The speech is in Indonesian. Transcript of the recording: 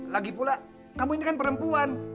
lagi pula kamu ini kan perempuan